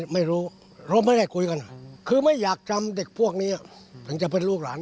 ไม่รู้เราไม่ได้คุยกันคือไม่อยากจำเด็กพวกนี้ถึงจะเป็นลูกหลาน